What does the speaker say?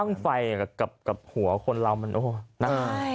ป้างไฟกับหัวคนเรามันโอ้โหน่ะ